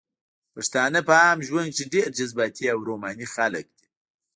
پښتانه په عام ژوند کښې ډېر جذباتي او روماني خلق دي